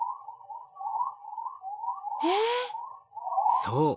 そう。